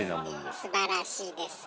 すばらしいです。